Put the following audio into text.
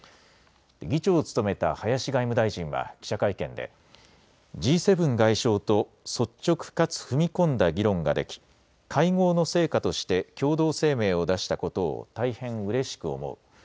議長を務めた林外務大臣は記者会見でＧ７外相と率直かつ踏み込んだ議論ができ会合の成果として共同声明を出したことを大変うれしく思う。